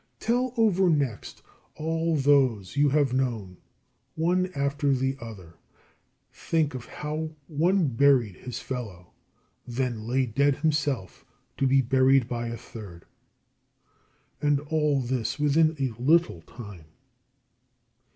Tell over next all those you have known, one after the other: think how one buried his fellow, then lay dead himself, to be buried by a third. And all this within a little time.